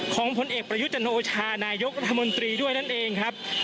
ของพลเอกประยุจนโอชานายกรรภามนธรรมน์ตรีด้วยนั่นเองครับ